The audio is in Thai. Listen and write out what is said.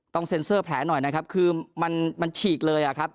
เซ็นเซอร์แผลหน่อยนะครับคือมันฉีกเลยอะครับ